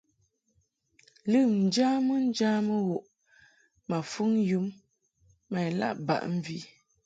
Lɨm njamɨŋjamɨ wuʼ ma fuŋ yum ma ilaʼ baʼ mvi.